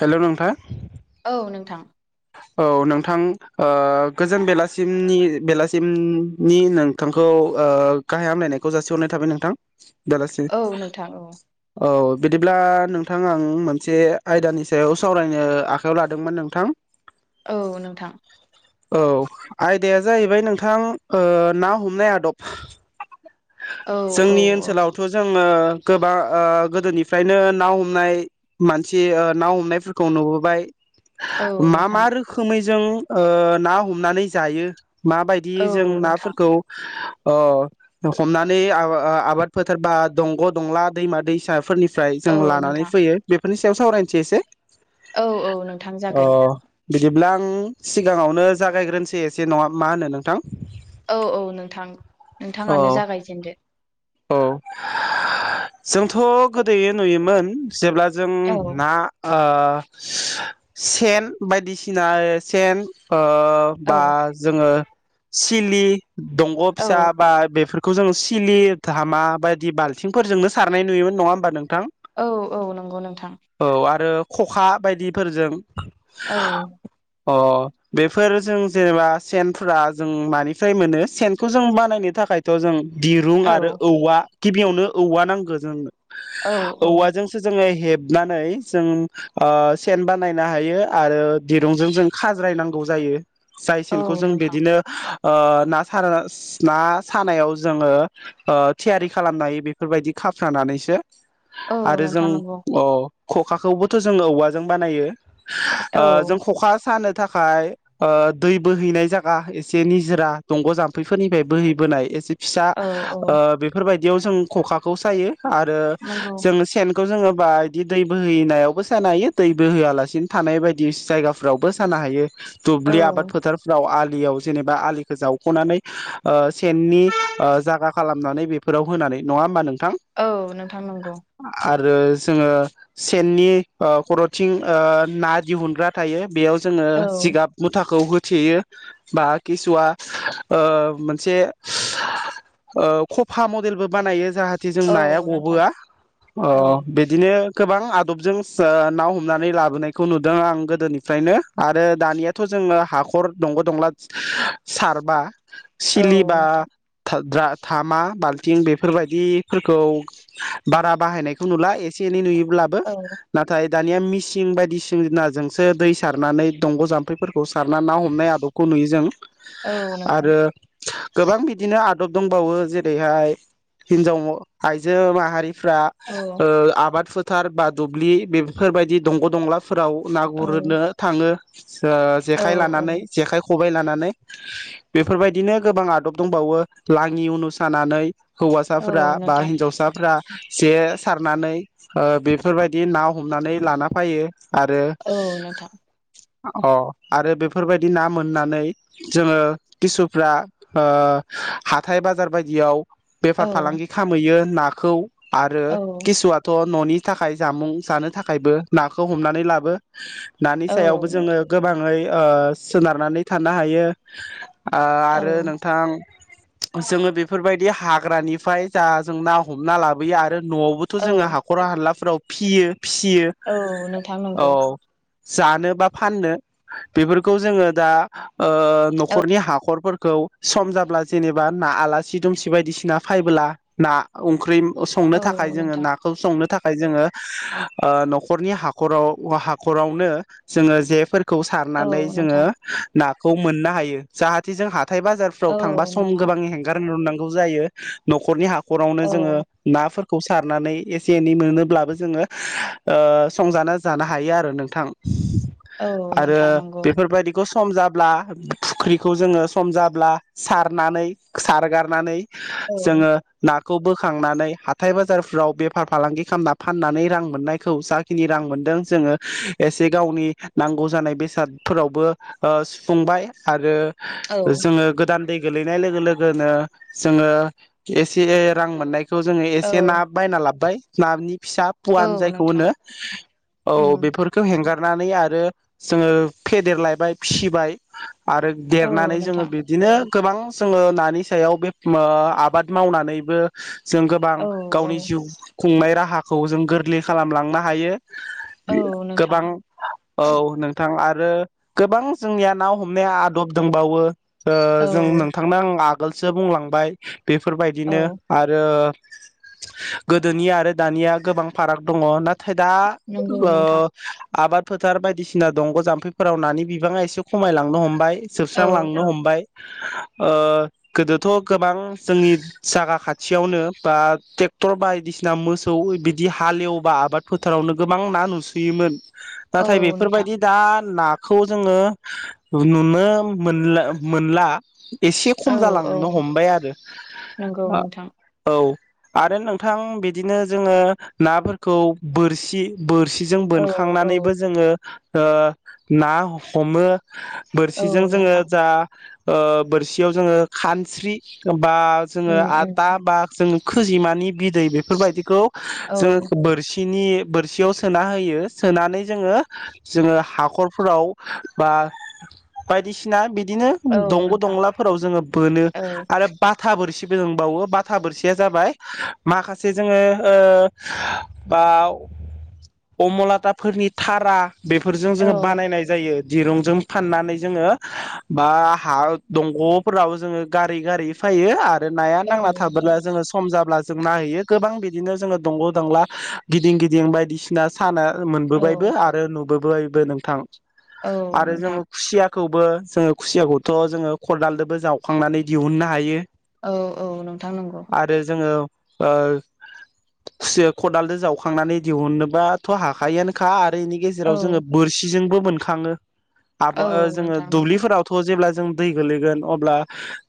Hello नोंथां औ नोंथां। औ नोंथां ओ गोजोन बेलासिमनि-बेलासिमनि नोंथांखौ खौ ओ गाहाय हामलायनायखौ जासिहरनाय थाबाय नोंथां। बेलासि औ नोंथां औ औ। बिदिब्ला नोंथां आं मोनसे आयदानि सायाव सावरायनो आखाइयाव लादोंमोन नोंथां। औ नोंथां। औ आयदाया जाहैबाय नोंथां ओ ना हमनाय आदब औ औ जोंनि औ ओनसोलावथ' जोङो गोबा ओ गोदोनिफ्रायनो ना हमनाय मानसि ना हमनायफोरखौ नुबोबाय औ मा मा नोंथां रोखोमै जों ओ ना हमनानै जायो माबायदि औ जों नोंथां नाफोरखौ अ हमनानै आवा आबाद फोथार बा दंग' दंला दैमा दैसाफोरनि फ्राय जों औ लानानै नोंथां फैयो बेफोरनि सायाव सावरायनोसै एसे। औ औ नोंथां अ जागोन। बिदिब्ला आं सिगाङावनो जागायग्रोनोसै एसे नङा मा होनो नोंथां? औ औ नोंथां औ नोंथाङानो जागायजेनदो। औ जोंथ' गोदो नुयोमोन। जेब्ला जों औ ना ओ सेन बायदिसिना सेन ओ औ बा जोङो सिलि दंग' फिसा औ बा बेफोर खौ जों सिलि धामा बायदि बाल्थिंफोरजोंनो सारनाय नुयोमोन नङा होमबा नों औ औ नंगौ नोंथां। आरो खखा बायदिफोरजों औ। अ बेफोर जों जेनेबा सेनफ्रा जों मानिफ्राय मोनो सेनखौ जों बानायनो था खायथ' जों दिरुं आरो औ औवा गिबियावनो औवा नांगौ जोंनो औ औ औवाजोंसो जोङो हे हेबनानै जों सेन बानायनो हायो आरो दिरुंजों जों खाज्रायनांगौ जायो। जाय सेनखौ औ जों नोंथां बिदिनो ना ना सानायाव जोङो ओ थियारि खालामनो हायो बेफोरबायदि खाफ्रानानैसो औ आरो जों नोंथां नंगौ अ खखाखौबोथ' जोंङो औवाजों बानायो औ ओ जों खखा सानो थाखाय ओ दै बोहैनाय जायगा एसे निजोरा दंग' जाम्फैफोरनिफ्राय बोहैबोनाय एसे फिसा औ औ ओ बेफोर बायदियाव जों खखाखौ सायो आरो नंगौ जों सेन खौ जोङो बा बिदि दै बोहैनायावबो सानो हायो दै बोहैया लासिनो थानाय बायदि जायगाफोरावबो सानो हायो। औ दुब्लि आबाद फोथारफ्राव आ जेनेबा आलिखौ जावखंनानै ओ सेननि ओ जागा खालामनानै फोराव होनानै नङा होमबा नोंथां औ नोंथां नंगौ आरो जोङो सेननि ओ खरथिं ओ ना दिहुनग्रा थायो बेयाव जोङो औ जिगाब मुथाखौ होयो। थेयो बा किसुवा मोनसे ओ ख फा मडेलबो बानायो जाहाथे जों औ नाया नोंथां गबोआ अ औ बिदिनो गोबां आ ना हमनानै लाबोनायखौ नुदों आं गोदोनिफ्रायनो आरो दानियाथ' जोङो ह हाखर दंग' दंला सारबा औ सिलि बा नोंथां थामा बाल्थिं बेफोर बायदिफोरखौ बारा बाहायनायखौ नुला एसे एनै नुयो। ब्लाबो औ नाथाय दानिया मिसिं बायदिसिनाजोंसो दै सारनानै दंग' जाम्फैफोरखौ सारना ना हमनाय आदबखौ नु नुयो जों औ नोंथां आरो गोबां बिदिनो आदब दंबावो जेरैहाय हिनजाव आइजो माहारिफ्रा औ ओ आबाद फो थार बा दुब्लि बेफोर बायदि दंग' दंलाफोराव ना औ गुरनो थाङो। ओ औ जेखाइ औ लानानै जेखाइ खबाइ लानानै बेफोर बायदिनो गोबां आदब दंबावो लाङि उन सानानै औ हौवासाफोरा बा नोंथां हिनजावसाफोरा जे सारनानै बेफोर बायदि ना हमनानै लाना फैयो। आरो। औ नोंथां अ आरो बेफोर बायदि ना मोननानै जोङो किसुफ्रा हाथाय बाजार बायदि याव औ बेफार फालांगि खामैयो नाखौ आरो औ किसुआथ ननि थाखाय जामुं जानो थाखायबो नाखौ हमनानै लाबो नानि औ सायावबो जोंङो नोंथां गोबाङै ओ सोनारनानै थानो हायो। आरो औ नोंथां जोंङो बे फोरबायदि हाग्रानिफ्राय जा जों ना हमना लाबोयो आरो नआवबोथ औ जोंङो हाखर हालाफोराव फियो फिसियो औ नोंथां नंगौ औ जानो बा फाननो बेफोरखौ जोंङो दा ओ औ न'खरनि हाखरफोरखौ सम जाब्ला जेनेबा ना आला सि दुमसि बायदिसिना फायबोला ना ओंख्रि संनो औ थाखाय जोंङो नोंथां नाखौ संनो थाख जोंङो न'खरनि हखराव हाखरावनो जो जे फोर खौ औ सारनानै जोंङो नोंथां नाखौ मोननो हायो जाहाथे जों हाथाइ बाजारफ्राव औ थांबा सम नोंथां गोबां हेंगारहरनांगौ जायो न'खरनि हा हखरावनो औ जोंङो नाफोर खौ सारनानै एसे एनै मोनोब्लाबो जोंङो ओ संजाना जानो हायो आरो नोंथां। औ आरो नोंथां नंगौ बेफोरबायदिखौ सम जाब्ला फुख्रिखौ जोंङो सम जाब्ला सारनानै सारगारनानै औ जोंङो ना खौ बोखांनानै हाथाय बाजारफोराव बेफार फालांगि खालामना फाननानै रां मोननायखौ जाखिनि रां मोन दों जोंङो एसे गावनि नांगौ जानाय बेसादफोरावबो सुफुंबाय आरो औ जोंङो गोदान दै गोलैनाय लोगो लो नो जोंङो एसे रां मोननायखौ जोंङो औ एसे ना बायना लाबोबाय नानि फिसा औ पुवान जायखौ नोंथां होनो औ उम बेफोरखौ हेंगार नानै आरो जोंङो फेदेरलायबाय फिसिबाय आरो औ देरनानै जोंङो नोंथां बिदिनो गोबां जोंङो ना नि सायाव बे आबाद मावनानैबो जों गोबां औ औ गावनि जिउ खुंनाय राहाखौ जों गोरलै खालामलांनो हायो। औ नोंथां गोबां औ नोंथां आरो आरो गोबां जोंनिया ना हमनाया आदब दंबावो ओ जों औ नोंथांनो आं आ आगोलसो बुंलांबाय औ बेफोरबायदिनो आरो गोदोनि आरो दानिया गोबां फाराग दंङ ना नाथाय दा नंगौ नोंथां ओ आबाद फोथार बायदिसिना दंग जाम्फैफोराव नानि बिबाङा एसे खमायलांनो हमबाय। औ जोबस्रांलांनो औ हमबाय ओ गोदोथ गोबां जोंनि जागा खाथियावनो बा ट्रेक्टर बायदिसिना मोसौ बिदि हालेवबा आबाद फोथारावनो गोबां ना नुसोयोमोन औ नाथाय नोंथां बेफोरबायदि दा ना खौ जोंङो नुनो मोन मोनला एसे औ खम औ जालांनो हमबाय आरो नंगौ नोंथां औ। आरो नोंथां बिदिनो जोंङो नाफोरखौ बोरसि बोरसि जों औ औ बोनखांनानैबो जोंङो ओ ना हमो। औ बोरसिजों जोंङो नोंथां जा ओ बोरसियाव जोंङो खानस्रि बा जोंङो उम आता उम बा जोंङो खोजिमानि बिदै बेफोरबायदिखौ औ जोंङो बोरसि सिनि बोरसियाव सोना होयो सोनानै जोंङो जोंङो हाखरफोराव बा बायदिसिना बिदि बिदिनो औ दंग नोंथां दंलाफोराव जोंङो बोनो औ आरो बाथा बोरसि बो दों बावो बाथा बोरसिया जाबाय माखासे जोंङो ओ बा आव अमलाथाफोरनि थारा बेफोरजों जोङो औ बानायनाय जायो दिरुंजों फाननानै जोंङो बा हा दं गफोराव जोंङो गारै गारै फायो आरो नाया औ नांना नोंथां थाबोला जोंङो सम जाब्ला जों नाहैयो। गोबां बिदिनो जोंङो दंग दंला गिदिं गिदिं बायदिसिना साना औ मोनबोबायबो आरो नु बो बायबो नोंथां औ आरो नोंथां जोंङो खुसियाखौबो जों खुसियाखौथ जोंङो खदालजोंबो जावखांनानै दिहुननो हायो। औ औ नोंथां नंगौ। आरो जोङो ओ खुसिया खदालजों जावखांनानै दिहुननोबाथ' हाखायोआनोखा आरो बेनि औ गेजेराव जोङो बोरसिजोंबो बोनखाङो औ जोङो नोंथां नंगौ दुब्लिफोरावथ' जेब्ला जों दै गोलैगोन अब्ला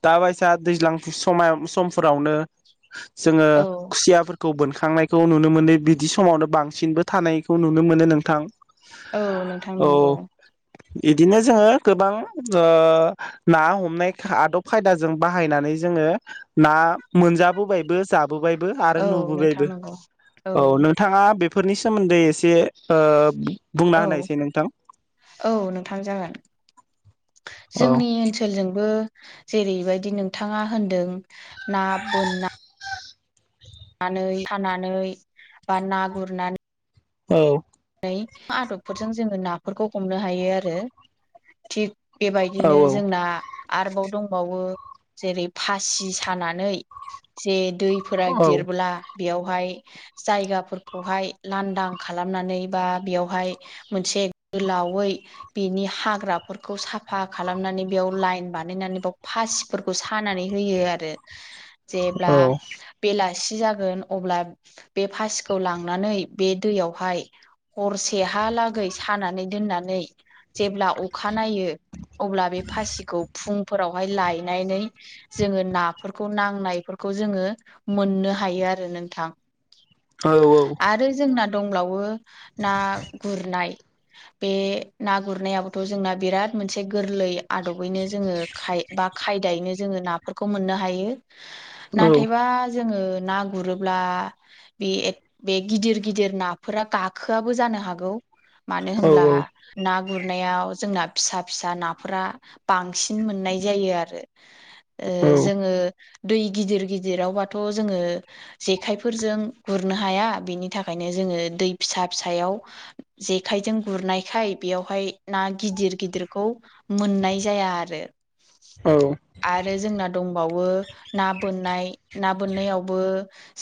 दा बायसा दैज्लां सम समफोरावनो जोङो औ खुसियाफोर खौ बोनखांनायखौ नुनो मोनो बिदि समावनो बांसिनबो थानायखौ नुनो मोनो नोंथां औ नोंथां नोंगौ बिदिनो जोङो गोबां ओ ना हमनाय आदब खायदाजों बाहायनानै जोङो ना मोनजाबोबायबो जा बोबायबो आरो औ नोंथां नुबोबायबो नंगौ औ नोंथांङा फोरनि सोमोन्दै एसे ओ बु औ औ नोंथां जागोन औ जोंनि ओनसोलजोंबो जेरैबायदि नोंथाङा होनदों ना बोनना नानै सानानै बा ना गुरनानै औ आदबफोरजों जोङो नाफोरखौ हमनो हायो आरो थिग औ बेबायदिनो जोंना आरोबाव दंबावो जेरै फासि सानानै जे दैफोरा औ देरब्ला बेयावहाय जायगाफोरखौहाय लांदां खालामनानै बा बेयावहाय मोनसे गोलावै बिनि हाग्राफोरखौ साफा खालामनानै बेयाव लाइन बानायनानै बेयाव फासिफोरखौ सानानै होयो आरो औ जेब्ला बेला सि जागोन अब्ला बे फासिखौ लांनानै बे दैयावहाय हरसेहालागै सानानै दोननानै जेब्ला अखा नायो अब्ला बे फासिखौ फुंफोरावहाय लायनानै जोङो नाफोरखौ नांनायफोरखौ खौ जोङो मोननो हायो आरो नोंथां औ औ दंब्लावो ना गुरनाय बे ना गुरनायाबोथ' जोंना बिराद मोनसे गोरलै आदबैनो जोङो खाय बा खायदायैनो जोङो नाफोरखौ मोननो हायो औ नाथायबा जोङो ना गुरोब्ला बे बे गिदिर गिदिर नाफोरा गाखोआबो जानो हागौ मानो औ होमब्ला ना गुरनायाव जोंना फिसा फिसा नाफोरा बां सिन मोननाय जायो आरो ओ औ जोङो दै गिदिर गिदिरावबाथ' जोङो जेखाइफोरजों गुरनो हाया बेनि थाखायनो जोङो दै फिसा फिसायाव जेखायजों गुरनायखाय बेयावहाय ना गिदिर गिदिरखौ मोननाय जाया आरो औ आरो जोंना दंबावो ना बोननाय ना बोननायावबो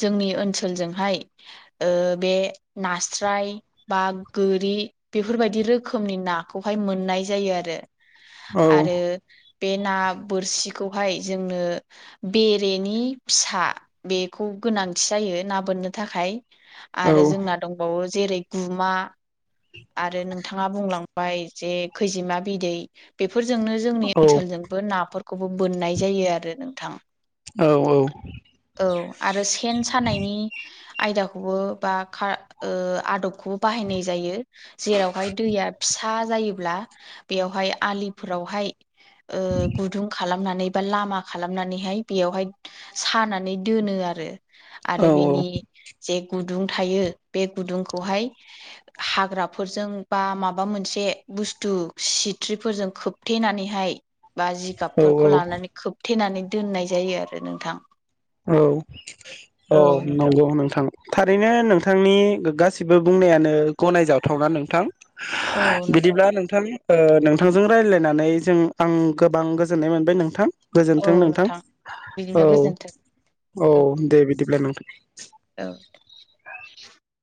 जोंनि ओनसोल सोलजोंहाय बे नास्राय बा गोरि बेफोरबायदि रोखोमनि नाखौहाय मोननाय जायो आरो आरो बे ना बोरसिखौहाय जोंनो बेरेनि फिसा बेखौ गोनांथि जायो ना बोननो थाखाय औ आरो जोंना दंबावो जेरै गुमा आरो नोंथाङा बुंलांबाय जे खैजिमा बिदै बे फोरजोंनो जोंनि ओनसोलजोंबो नाफोरखौबो बोननाय जायो आरो नोंथां औ आरो सेन सानाय आयदाखौ बा आदबखौबो बाहायनाय जायो जेरावहाय दै आलिया फिसा जायोब्ला बेयावहाय आलिफोरावहाय ओ गुदुं खालाम खालामनानै बा लामा खालामनानैहाय बेयावहाय सानानै दोनो आरो आरो बिनि जे गुदुं थायो बे गुदुंखौहाय हाग्राफोरजों बा माबा मोनसे बुस्थु सिथ्रिफोरजों खोबथेनानैहाय बा जिगाबफोरखौ लानानै खोबथेनानै दोननाय जायो आरो नोंथां। औ औ नंगौ नोंथां। थारैनो नोंथांनि गासिबो बुंनायानो गनायजाथावना नोंथां। बिदिब्ला नोंथां ओ नोंथांजों रायज्लायनानै जों आं गोबां गोजोननाय मोनबाय नोंथां। गोजोनथों नोंथां बिदिब्ला औ गोजोन्थों औ दे बिदिब्ला नोंथां। औ